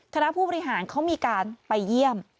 คณะผู้บริหารเขามีการไปเยี่ยม